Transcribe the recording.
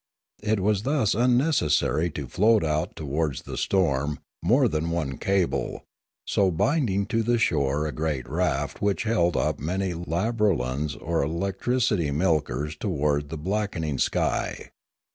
It was thus unnecessary to float out towards the storm more than one cable, so binding to the shore a great raft which held up many labrolans or electricity milkers towards the blackening sky.